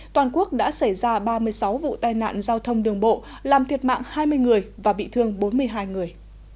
toàn quốc đã xảy ra ba mươi sáu vụ tai nạn giao thông đường bộ làm thiệt mạng hai mươi người và bị thương bốn mươi hai người